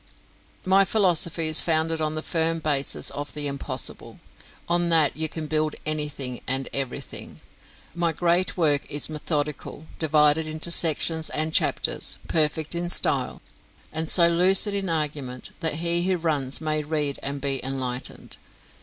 My philosophy is founded on the firm basis of the Impossible; on that you can build anything and everything. My great work is methodical, divided into sections and chapters, perfect in style, and so lucid in argument that he who runs may read and be enlightened.